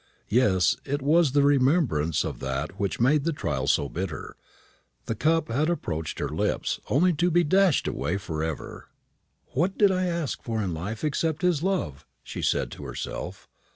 Yes, it was the remembrance of that which made the trial so bitter. The cup had approached her lips, only to be dashed away for ever. "What did I ask in life except his love?" she said to herself.